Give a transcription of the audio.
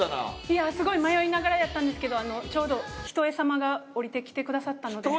いやすごい迷いながらやったんですけどちょうどＨＩＴＯＥ様が降りてきてくださったので。